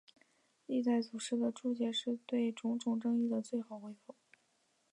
历代祖师的注解是对种种争议的最好回复。